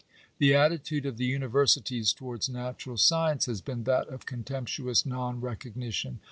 The attitude of the universities towards natural science has been that of contemptuous non recognition.